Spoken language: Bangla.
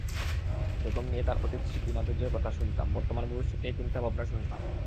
বেগম নিয়ে তাঁর অতীত স্মৃতি-মাধুর্যের কথা শুনতাম, বর্তমান-ভবিষ্যৎ নিয়ে চিন্তা-ভাবনা শুনতাম।